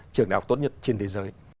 trường đạo tốt nhất trên thế giới